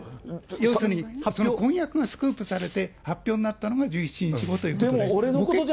要するに婚約がスクープされて、発表になったのが１７日後ということで。